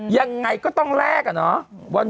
ยังไงก็ต้องแลกอะเนาะ